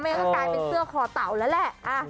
งั้นก็กลายเป็นเสื้อคอเต่าแล้วแหละ